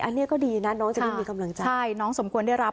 อันนี้ก็ดีนะน้องจะได้มีกำลังใจใช่น้องสมควรได้รับ